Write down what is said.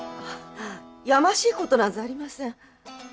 やましい事なんざありません。